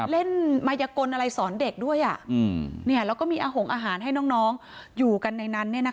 เล่นมายกลอะไรสอนเด็กด้วยแล้วก็มีอาหงอาหารให้น้องอยู่กันในนั้น